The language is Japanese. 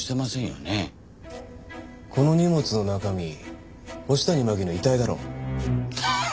この荷物の中身星谷真輝の遺体だろ？